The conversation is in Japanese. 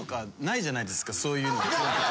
そういうのとか。